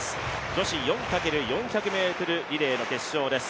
女子４×４００ｍリレーの決勝です。